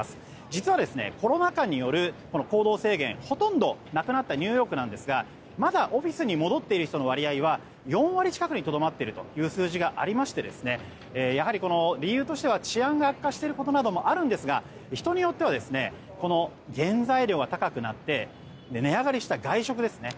実は、コロナ禍による行動制限がほとんどなくなったニューヨークなんですがオフィスに戻っている人の割合は４割近くにとどまっているという数字がありましてやはり、理由としては治安が悪化していることなどもありますが人によっては原材料が高くなって値上がりした外食ですね